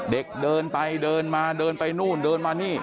เด็กเดินไปเดินมาเดินไปนู่นเดินมานี่